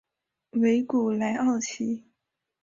维古莱奥齐。